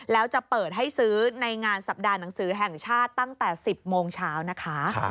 แล้วจะเปิดให้ซื้อในงานสัปดาห์หนังสือแห่งชาติตั้งแต่๑๐โมงเช้านะคะ